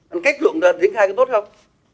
anh kết luận là những hai cái tốt không